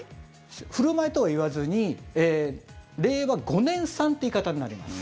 古米とはいわずに令和５年産という言い方になります。